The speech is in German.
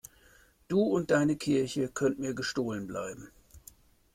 Du und deine Kirche könnt mir gestohlen bleiben.